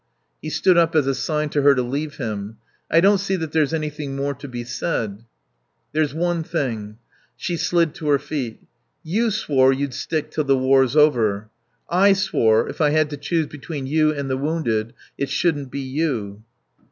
He stood up as a sign to her to leave him. "I don't see that there's anything more to be said." "There's one thing." (She slid to her feet.) "You swore you'd stick till the war's over. I swore, if I had to choose between you and the wounded, it shouldn't be you."